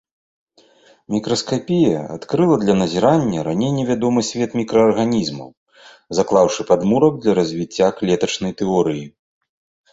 Мікраскапія адкрыла для назірання раней невядомы свет мікраарганізмаў, заклаўшы падмурак для развіцця клетачнай тэорыі.